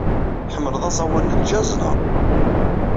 Tḥemmleḍ aẓawan n jazz, naɣ?